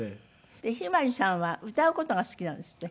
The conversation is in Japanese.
向日葵さんは歌う事が好きなんですって？